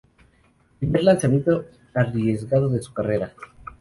Primer lanzamiento arriesgado de su carrera.